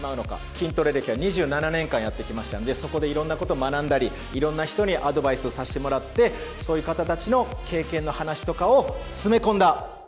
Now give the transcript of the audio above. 筋トレ歴２７年間やってきましたんで、そこでいろんなこと学んだり、いろんな人にアドバイスをさせてもらって、そういう方たちの経験の話とかを詰め込んだ。